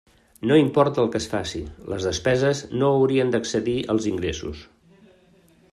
No importa el que es faci, les despeses no haurien d'excedir els ingressos.